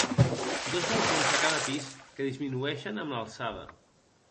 Dos balcons a cada pis que disminueixen amb l'alçada.